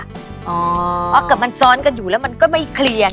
เพราะกับมันซ้อนกันอยู่แล้วมันก็ไม่เคลียร์